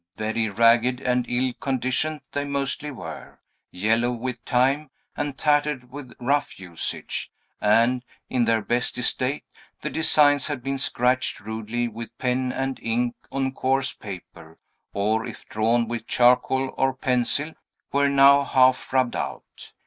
Very ragged and ill conditioned they mostly were, yellow with time, and tattered with rough usage; and, in their best estate, the designs had been scratched rudely with pen and ink, on coarse paper, or, if drawn with charcoal or a pencil, were now half rubbed out.